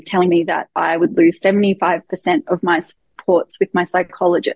yang memberikan saya tujuh puluh lima penyokongan dengan psikologi